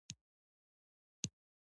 کلي د افغانستان د طبیعت د ښکلا برخه ده.